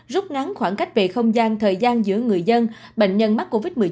rút ngắn khoảng cách về không gian thời gian giữa người dân bệnh nhân mắc covid một mươi chín